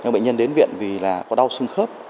bệnh nhân đến viện vì có đau sưng khớp